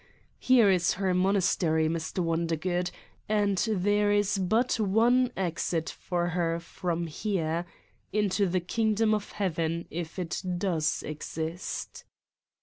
Here is her monastery, Mr. Wondergood, and there is but one exit for her from here : into the Kingdom of Heaven, if it does exist!"